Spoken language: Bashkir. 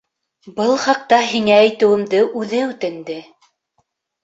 Был хаҡта һиңә әйтеүемде үҙе үтенде.